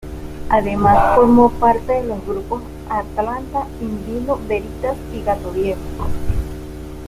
Además formó parte de los grupos Atlanta, In vino veritas y Gato viejo.